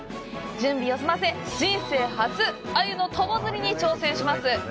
準備を済ませ、人生初、アユの友釣りに挑戦します！